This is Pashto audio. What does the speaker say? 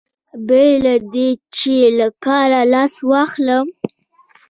بې له دې چې له کاره لاس واخلم.